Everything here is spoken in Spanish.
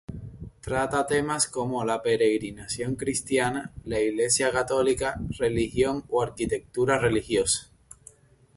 Trata temas como la peregrinación cristiana, la iglesia católica, religión o arquitectura religiosa.